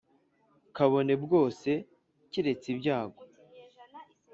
kabone byose kiretse ibyago!”